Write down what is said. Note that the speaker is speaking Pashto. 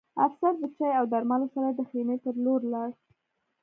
افسر د چای او درملو سره د خیمې په لور لاړ